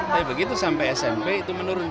tapi begitu sampai smp itu menurun